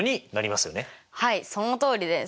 はいそのとおりです。